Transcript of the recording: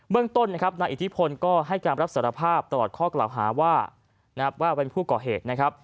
เมื่อต้นนักอิทธิพลก็ให้การรับสารภาพตลอดข้อกล่าวหาว่าเป็นผู้เกาะเหตุนะครับ